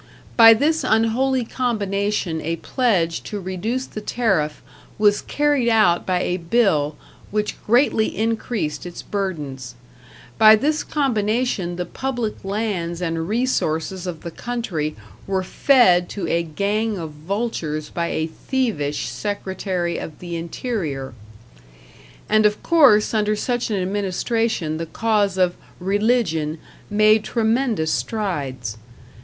By this unholy combination a pledge to reduce the tariff was carried out by a bill which greatly increased its burdens; by this combination the public lands and resources of the country were fed to a gang of vultures by a thievish Secretary of the Interior. And of course under such an administration the cause of "Religion" made tremendous strides.